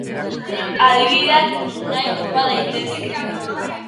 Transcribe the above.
Adibideak nonnahi topa daitezke.